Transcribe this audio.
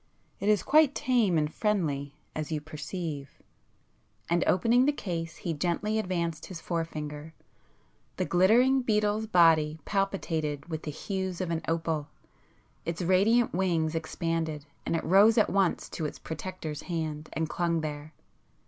It is quite tame and friendly as you perceive,"—and opening the case he gently advanced his forefinger. The glittering beetle's body palpitated with the hues of an opal; its radiant wings expanded, and it rose at once to its protector's hand and clung there.